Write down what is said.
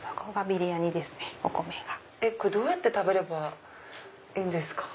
どうやって食べればいいんですか？